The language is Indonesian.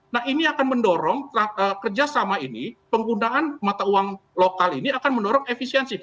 nah ini akan mendorong kerjasama ini penggunaan mata uang lokal ini akan mendorong efisiensi